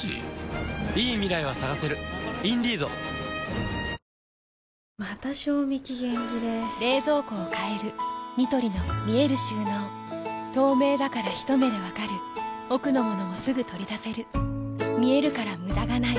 日々の体調管理が大切でワクチンもあるみたいまた賞味期限切れ冷蔵庫を変えるニトリの見える収納透明だからひと目で分かる奥の物もすぐ取り出せる見えるから無駄がないよし。